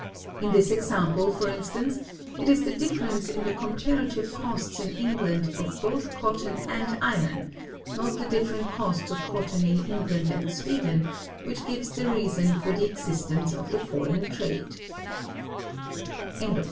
In this example, for instance, it is the difference in the comparative costs in England of both cotton and iron (not the different costs of cotton in England and Sweden) which gives the reason for the existence of the foreign trade.